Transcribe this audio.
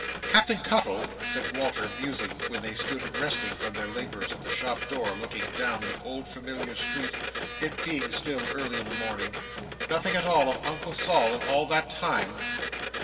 "Captain Cuttle," said Walter, musing, when they stood resting from their labours at the shop door, looking down the old familiar street; it being still early in the morning; "nothing at all of Uncle Sol, in all that time!"